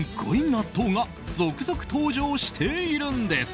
納豆が続々登場しているんです。